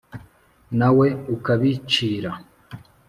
na we ukabicira.